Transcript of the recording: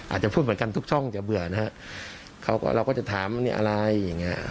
อาจจะพูดเหมือนกันทุกช่องอย่าเบื่อนะฮะเขาก็เราก็จะถามว่าเนี่ยอะไรอย่างเงี้ย